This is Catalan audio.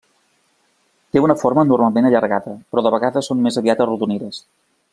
Té una forma normalment allargada però de vegades són més aviat arrodonides.